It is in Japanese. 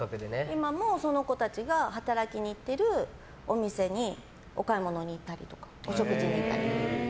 今もその子たちが働きに行ってるお店にお買い物に行ったりお食事行ったり。